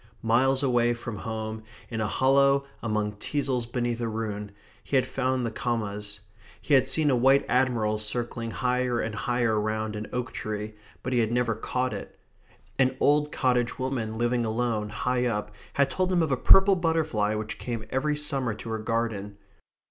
Miles away from home, in a hollow among teasles beneath a ruin, he had found the commas. He had seen a white admiral circling higher and higher round an oak tree, but he had never caught it. An old cottage woman living alone, high up, had told him of a purple butterfly which came every summer to her garden.